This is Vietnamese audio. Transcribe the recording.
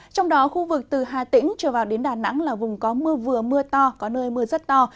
trong đó khu vực từ hà tĩnh trở vào đến đà nẵng là vùng có mưa vừa mưa to có nơi mưa rất to